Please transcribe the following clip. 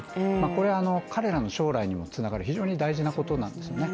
これ彼らの将来にも繋がる非常に大事なことなんですよね